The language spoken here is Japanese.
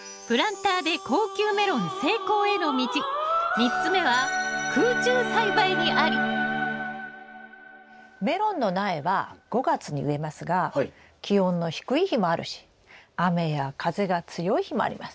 ３つ目は「空中栽培」にありメロンの苗は５月に植えますが気温の低い日もあるし雨や風が強い日もあります。